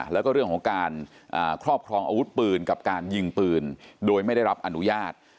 แล้วก็เรื่องของการครอบครองอาวุธปืนกับการยิงปืนโดยไม่ได้รับอนุญาต